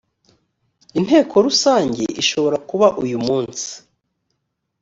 inteko rusange ishobora kuba uyumunsi